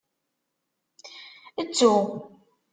Ttu.